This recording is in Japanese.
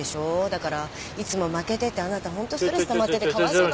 だからいつも負けててあなたホントストレスたまっててかわいそうだなと。